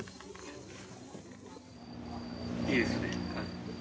いいですね。